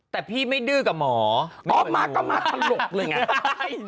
แต่พี่ไม่ดื้อกับหมออ๋อมากับหมอพลลกเลยไง